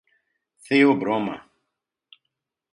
Theobroma